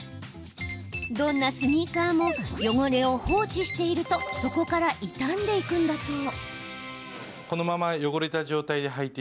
どんなスニーカーも汚れを放置しているとそこから傷んでいくんだそう。